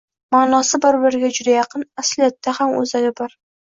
Maʼnosi bir-biriga juda yaqin, asliyatda ham oʻzagi bir